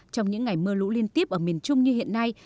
trong những ngày mưa lũ liên tiếp ở miền trung như hiện nay